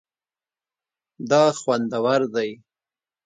دا خوندور دی